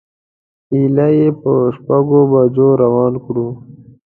ایله یې په شپږو بجو روان کړو.